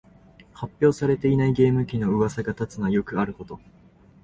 発表されていないゲーム機のうわさが立つのはよくあること